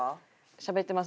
しゃべってます